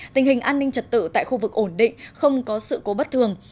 tình hình an ninh trật tự tại khu vực ổn định không có sự cố bất thường